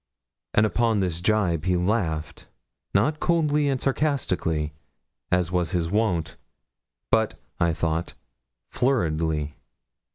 And upon this jibe he laughed, not coldly and sarcastically, as was his wont, but, I thought, flurriedly.